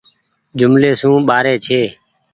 جملي سون ٻآري ڇي۔